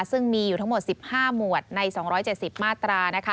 ซึ่งมีอยู่ทั้งหมด๑๕หมวดใน๒๗๐มาตรา